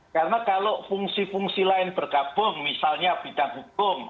karena kalau fungsi fungsi lain bergabung misalnya bidang hukum